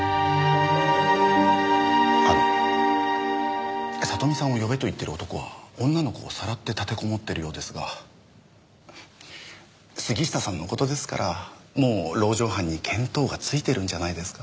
あの聡美さんを呼べと言っている男は女の子をさらって立てこもっているようですが杉下さんの事ですからもう籠城犯に見当がついてるんじゃないですか？